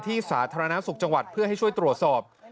สาธารณสุขจังหวัดเพื่อให้ช่วยตรวจสอบ